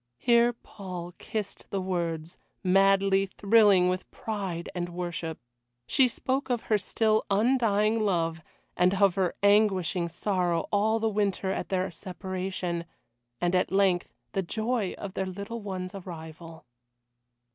Here Paul kissed the words, madly thrilling with pride and worship. She spoke of her still undying love, and of her anguishing sorrow all the winter at their separation, and at length the joy of their little one's arrival.